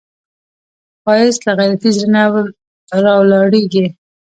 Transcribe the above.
ښایست له غیرتي زړه نه راولاړیږي